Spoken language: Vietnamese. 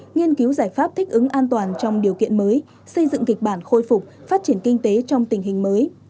nghiên cứu giải pháp thích ứng an toàn trong điều kiện mới xây dựng kịch bản khôi phục phát triển kinh tế trong tình hình mới